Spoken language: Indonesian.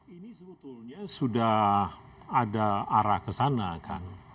ini sebetulnya sudah ada arah ke sana kan